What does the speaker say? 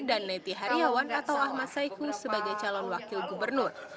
dan neti heriawan atau ahmad saiku sebagai calon wakil gubernur